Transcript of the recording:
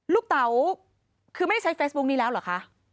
เต๋าคือไม่ได้ใช้เฟซบุ๊คนี้แล้วเหรอคะ